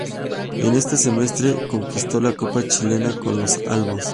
En este semestre conquistó la Copa Chile con los albos.